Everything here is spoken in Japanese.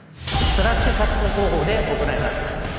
スラッシュカット工法で行います。